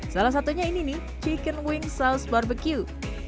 salah satunya ini nih chicken wing saus barbecue